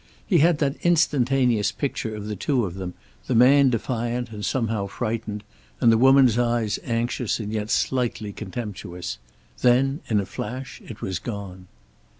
He had that instantaneous picture of the two of them, the man defiant and somehow frightened, and the woman's eyes anxious and yet slightly contemptuous. Then, in a flash, it was gone.